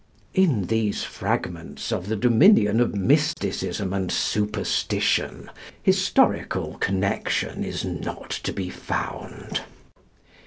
In these fragments of the dominion of mysticism and superstition, historical connection is not to be found.